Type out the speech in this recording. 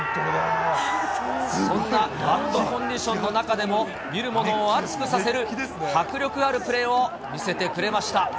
そんなバッドコンディションの中でも、見る者を熱くさせる迫力あるプレーを見せてくれました。